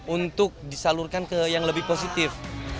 untuk disalurkan ke yang lebih positif